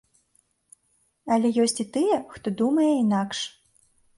Але ёсць і тыя, хто думае інакш.